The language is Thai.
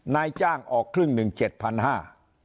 นายจ้างออกครึ่งหนึ่งเจ็ดพันห้า